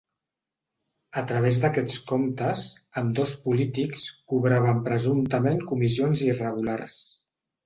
A través d’aquests comptes, ambdós polítics, cobraven presumptament comissions irregulars.